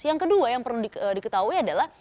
yang kedua yang perlu diketahui adalah